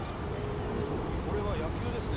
これは野球ですね